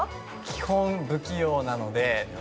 基本、不器用なので。